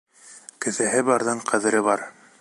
Кеҫәһе барҙың ҡәҙере бар.